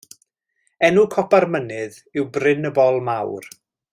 Enw copa'r mynydd yw Bryn y Bol Mawr.